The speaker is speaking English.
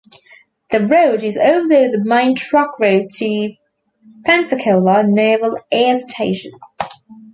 The road is also the main truck route to Pensacola Naval Air Station.